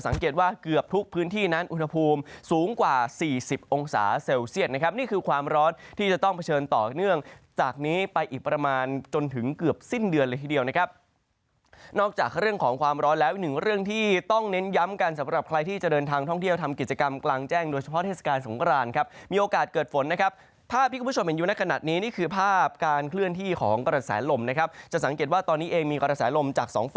สังเกตว่าเกือบทุกพื้นที่นั้นอุณหภูมิสูงกว่า๔๐องศาเซลเซียสนะครับนี่คือความร้อนที่จะต้องเผชิญต่อเนื่องจากนี้ไปอีกประมาณจนถึงเกือบสิ้นเดือนเลยทีเดียวนะครับนอกจากเรื่องของความร้อนแล้วหนึ่งเรื่องที่ต้องเน้นย้ำกันสำหรับใครที่จะเดินทางท่องเที่ยวทำกิจกรรมกลางแจ้งโดยเฉพาะเทศก